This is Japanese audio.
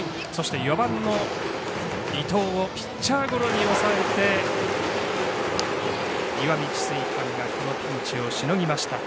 ４番、伊藤をピッチャーゴロに抑えて石見智翠館がこのピンチをしのぎました。